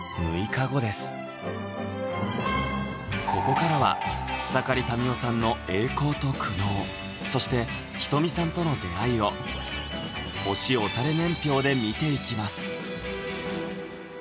ここからは草刈民代さんのそして仁美さんとの出会いを推し推され年表で見ていきます